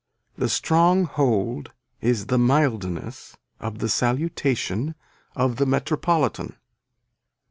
The strong hold is the mildness of the salutation of the metropolitan.